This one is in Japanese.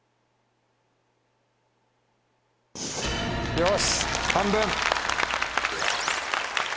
よし半分！